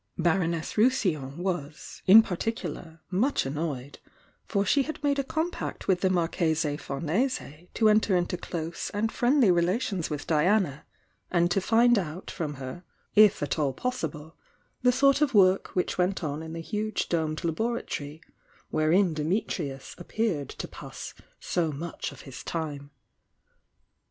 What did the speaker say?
Baroness de Rousillon was, in particular, much annoyed, for she had made a com pact with the Marchese Famese to enter into close and friendly relations with Diana, and to find out from her, if at all possible, the sort of work which went on in the huge domed laboratory wherein Dimitrius appeared to pass so much of his time.